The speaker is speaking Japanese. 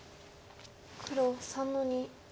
黒３の二。